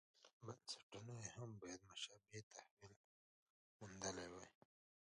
بنسټونو یې هم باید مشابه تحول موندلی وای.